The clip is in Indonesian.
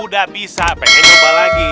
udah bisa pengen nyoba lagi